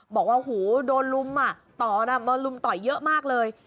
บอกว่าหูโดนลุมต่อนะโดนลุมต่อยเยอะมากเลย